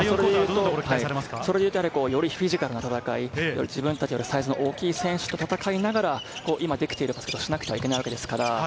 それでいうとやはり、よりフィジカルの戦い、自分たちよりサイズの大きい選手と戦いながら、今できていることしなくちゃいけないわけですから。